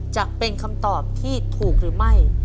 จะเป็นคำตอบที่ถูกหรือไม่